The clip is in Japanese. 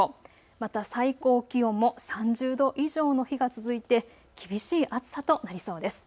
また最高気温も３０度以上の日が続いて厳しい暑さとなりそうです。